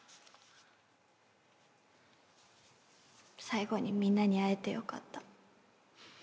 最後にみんなに会えてよかった。